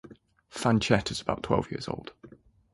Fanchette is around twelve years old.